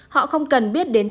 họ không cần biết đến lúc